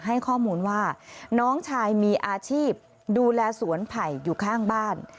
ให้ข้อมูลว่าน้องชายมีอาชีพดูแลสวนไผ่อยู่ข้างบ้าน